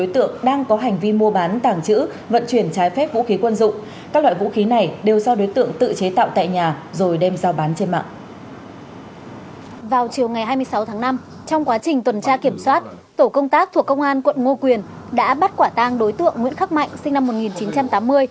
trong quá trình tuần tra kiểm soát tổ công tác thuộc công an quận ngo quyền đã bắt quả tang đối tượng nguyễn khắc mạnh sinh năm một nghìn chín trăm tám mươi